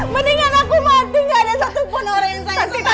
mendingan aku mati gak ada satu